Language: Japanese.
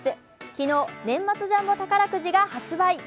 昨日、年末ジャンボ宝くじが発売。